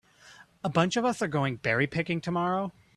A bunch of us are going berry picking tomorrow.